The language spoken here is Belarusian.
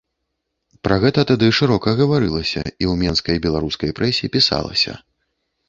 Пра гэта тады шырока гаварылася і ў менскай беларускай прэсе пісалася.